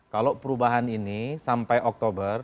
kalau perubahan ini sampai oktober